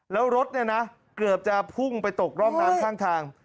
แล้วรถเนี่ยนะเกือบจะพุ่งไปตกร่องน้ำข้างทาง